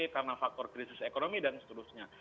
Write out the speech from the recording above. karena faktor krisis ekonomi dan seterusnya